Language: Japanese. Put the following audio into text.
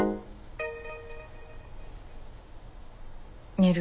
寝る。